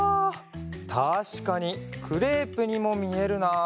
たしかにクレープにもみえるな。